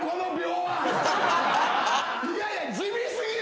いやいや。